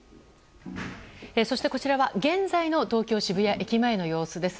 そして現在の東京・渋谷駅前の様子です。